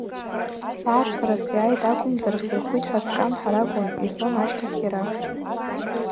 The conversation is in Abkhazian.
Сааԥсара сиааит акәымзар, сырхәит ҳәа скамҳар акәын иҳәон ашьҭахь иара.